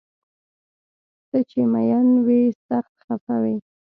ته چې مین وي سخت خفه وي